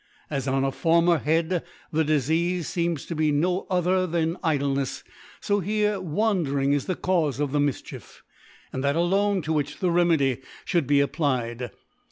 As on a former Head, theDifeafe feems to be no other than Idknefsy fo here fVandering is the Caufe of the Mifchief, and that alone to which the Remedy fhculd be applied.